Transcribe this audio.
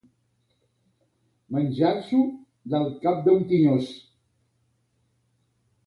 Menjar-s'ho del cap d'un tinyós.